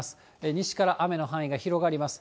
西から雨の範囲が広がります。